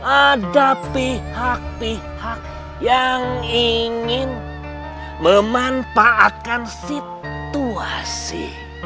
ada pihak pihak yang ingin memanfaatkan situasi